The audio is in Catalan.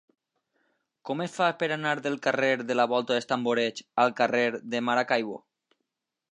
Com es fa per anar del carrer de la Volta dels Tamborets al carrer de Maracaibo?